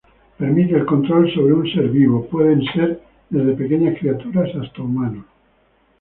Permite el control sobre un ser vivo, pueden ser desde pequeñas criaturas hasta humanos.